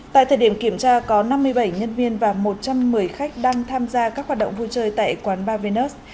tại thời điểm kiểm tra có năm mươi bảy nhân viên và một trăm một mươi khách đang tham gia các hoạt động vui chơi tại quán ba vnut